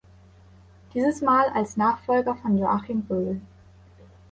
Dieses Mal als Nachfolger von Joachim Röhl.